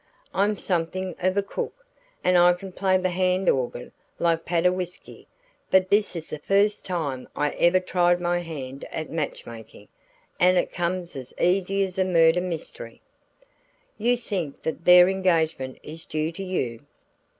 I'm something of a cook, and I can play the hand organ like Paderewski; but this is the first time I ever tried my hand at matchmaking and it comes as easy as a murder mystery!" "You think that their engagement is due to you?"